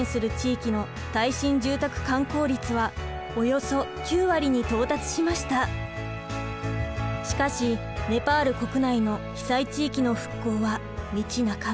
その結果しかしネパール国内の被災地域の復興は道半ば。